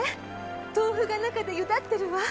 豆腐が中でゆだってるわ！